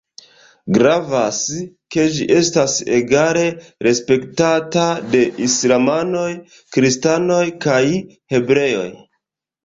Gravas, ke ĝi estas egale respektata de islamanoj, kristanoj kaj hebreoj.